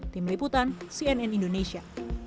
tim liputan cnn indonesia